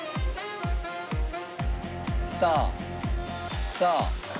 さあさあ。